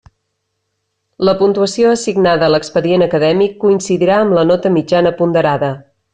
La puntuació assignada a l'expedient acadèmic coincidirà amb la nota mitjana ponderada.